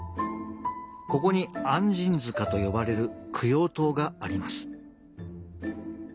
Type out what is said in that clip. ここに按針塚と呼ばれる供養塔があります。